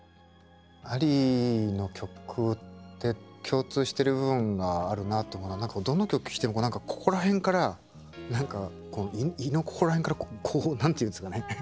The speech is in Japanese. アリーの曲って共通してる部分があるなと思うのは何かどの曲聴いても何かここら辺から何か胃のここら辺からこう何て言うんですかね。